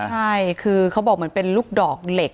ใช่คือเขาบอกมันเป็นลูกดอกเหล็ก